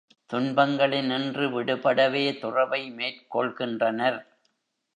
துன்பங்களினின்று விடுபடவே துறவை மேற் கொள்கின்றனர்.